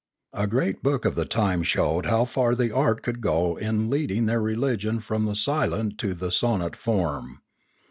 A great book of the time showed how far the art could go in leading their religion from the silent to the sonant form.